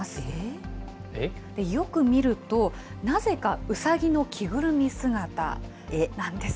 よく見ると、なぜか、ウサギの着ぐるみ姿なんです。